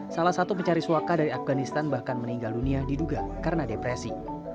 salah satu pencari suaka dari afganistan bahkan meninggal dunia diduga karena depresi